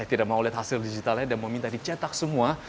saya tidak mau lihat hasil digitalnya dan mau minta dicetak semua